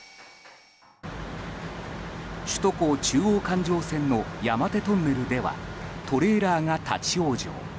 首都高中央環状線の山手トンネルではトレーラーが立ち往生。